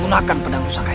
bukan harus baik baik